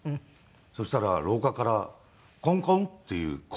そしたら廊下から「コンコン」っていう声が聞こえてきて。